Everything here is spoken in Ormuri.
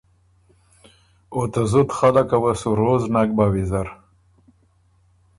او ته زُت خلقه وه سُو روز نک بَۀ وېزر،